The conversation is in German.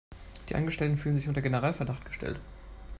Die Angestellten fühlen sich unter Generalverdacht gestellt.